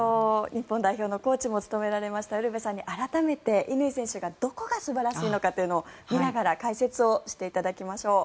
日本代表のコーチも務められましたウルヴェさんに改めて乾選手がどこが素晴らしいのかを見ながら解説をしていただきましょう。